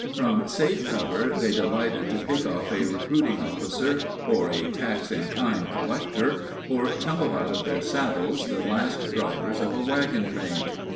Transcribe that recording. From safe cover they delighted to pick off a recruiting officer or a tax in kind collector, or tumble out of their saddles the last drivers of a wagon train.